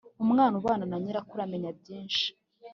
umwana ubana na nyirakuru amenya byinshi.